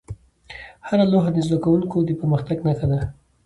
هره لوحه د زده کوونکو د پرمختګ نښه وه.